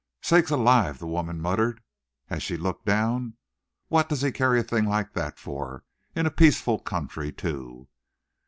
"Sakes alive!" the woman muttered, as she looked down. "What does he carry a thing like that for in a peaceful country, too!"